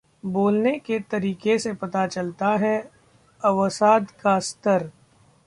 बोलने के तरीके से पता चलता है अवसाद का स्तर